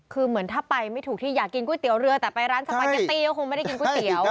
คือเหมือนถ้าไปไม่ถูกที่อยากกินก๋วยเตี๋ยวเรือแต่ไปร้านสปาเกตตี้ก็คงไม่ได้กินก๋วยเตี๋ยว